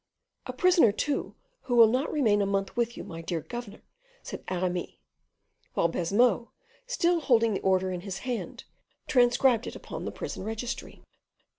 "A prisoner, too, who will not remain a month with you, my dear governor," said Aramis; while Baisemeaux, still holding the order in his hand, transcribed it upon the prison registry.